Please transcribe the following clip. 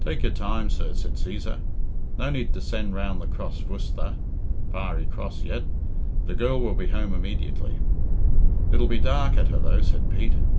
"Take your time, sir," said Cæsar. "No need to send round the Cross Vustha (fiery cross) yet. The girl will be home immadiently." "It'll be dark at her, though," said Pete.